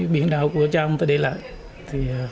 biển đào của cha ông ta để lại